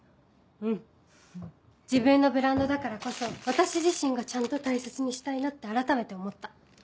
うん自分のブランドだからこそ私自身がちゃんと大切にしたいなって改めて思った。